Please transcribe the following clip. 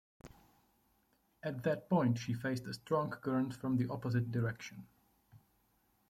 At that point she faced a strong current from the opposite direction.